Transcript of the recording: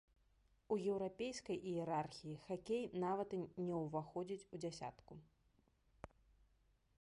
У еўрапейскай іерархіі хакей нават не ўваходзіць у дзясятку.